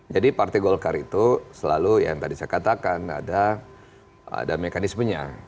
jadi partai golkar itu selalu yang tadi saya katakan ada mekanismenya